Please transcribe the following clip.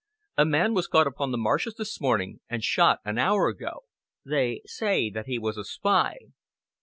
"A man was caught upon the marshes this morning and shot an hour ago. They say that he was a spy."